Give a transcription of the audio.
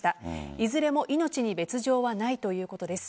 いずれも命に別条はないということです。